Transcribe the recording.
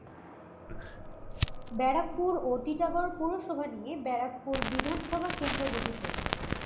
ব্যারাকপুর ও টিটাগড় পুরসভা নিয়ে ব্যারাকপুর বিধানসভা কেন্দ্র গঠিত।